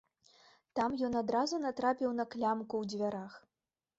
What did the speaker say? Там ён адразу натрапіў на клямку ў дзвярах.